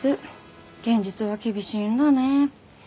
現実は厳しいんだね。